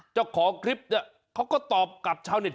เจ้าของคลิปเนี่ยเขาก็ตอบกับชาวเน็ต